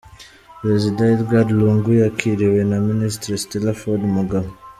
Perezida Edgar Lungu yakiriwe na Minisitiri Stella Ford Mugabo.